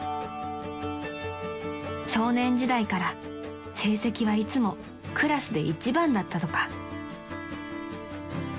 ［少年時代から成績はいつもクラスで一番だったとか］